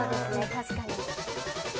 確かに。